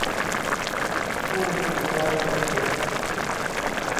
ผู้ติดยาเสพติด